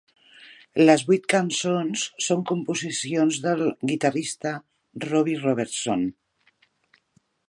Les vuit cançons són composicions del guitarrista Robbie Robertson.